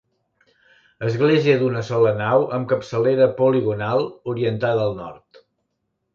Església d'una sola nau amb capçalera poligonal orientada al nord.